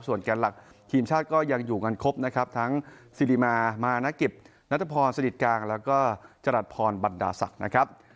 แกนหลักทีมชาติก็ยังอยู่กันครบนะครับทั้งสิริมามานกิจนัทพรสนิทกลางแล้วก็จรัสพรบรรดาศักดิ์นะครับ